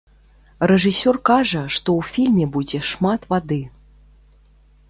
Рэжысёр кажа, што ў фільме будзе шмат вады.